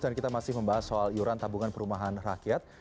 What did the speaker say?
dan kita masih membahas soal iuran tabungan perumahan rakyat